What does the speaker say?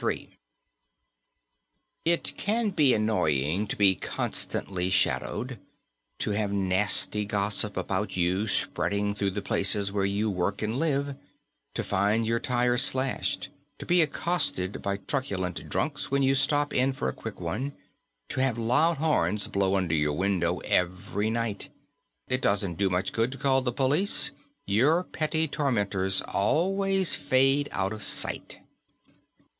3 It can be annoying to be constantly shadowed; to have nasty gossip about you spreading through the places where you work and live; to find your tires slashed; to be accosted by truculent drunks when you stop in for a quick one; to have loud horns blow under your window every night. And it doesn't do much good to call the police; your petty tormentors always fade out of sight.